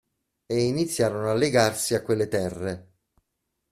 E iniziarono a legarsi a quelle terre.